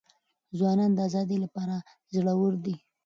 ځوانان د آزادۍ لپاره زړه ور دي.